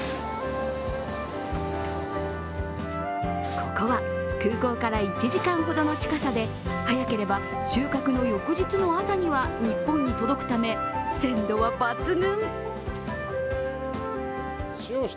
ここは空港から１時間ほどの近さで早ければ収穫の翌日の朝には日本に届くため、鮮度は抜群。